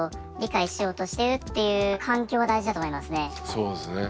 そうですね。